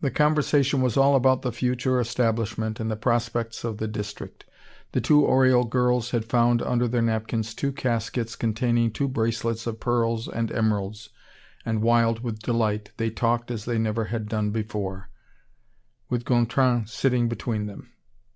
The conversation was all about the future establishment and the prospects of the district. The two Oriol girls had found under their napkins two caskets containing two bracelets of pearls and emeralds, and wild with delight, they talked as they had never done before, with Gontran sitting between them.